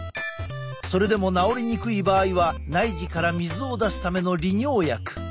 それでも治りにくい場合は内耳から水を出すための利尿薬。